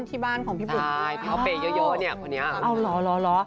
ที่บ้านของพี่บุ๊คค่ะอ๋อหรอหรอ